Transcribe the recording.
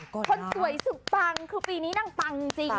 คนสวยสุดบังคือปีนี้นั่งบังจริงนะคะ